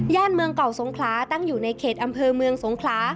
เมืองเก่าสงขลาตั้งอยู่ในเขตอำเภอเมืองสงขลา